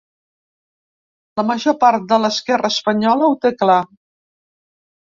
La major part de l’esquerra espanyola ho té clar.